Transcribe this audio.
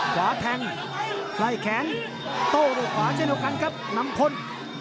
ขวาแทงไล่แขนโต้ด้วยขวาเช่นเดียวกันครับนำพล